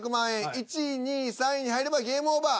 １位２位３位に入ればゲームオーバー。